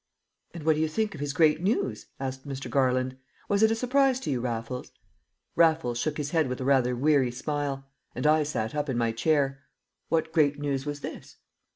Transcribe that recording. "And what do you think of his great news?" asked Mr. Garland. "Was it a surprise to you, Raffles?" Raffles shook his head with a rather weary smile, and I sat up in my chair. What great news was this?